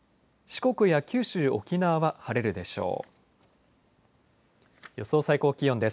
四国や九州、沖縄は晴れるでしょう。